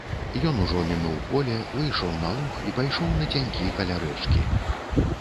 Ён ужо мінуў поле, выйшаў на луг і пайшоў нацянькі, каля рэчкі.